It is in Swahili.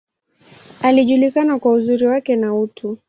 Alijulikana kwa uzuri wake, na utu.